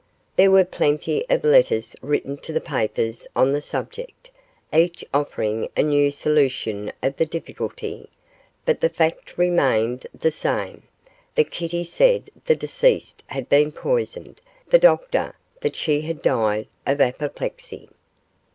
There were plenty of letters written to the papers on the subject, each offering a new solution of the difficulty, but the fact remained the same, that Kitty said the deceased had been poisoned; the doctor that she had died of apoplexy.